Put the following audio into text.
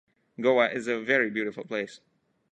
Goa is a very beautiful place.